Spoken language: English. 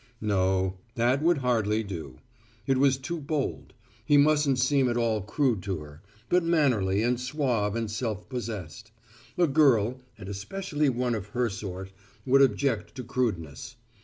No, that would hardly do. It was too bold. He mustn't seem at all crude to her, but mannerly and suave and self possessed. A girl, and especially one of her sort, would object to crudeness.